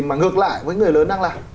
mà ngược lại với người lớn đang làm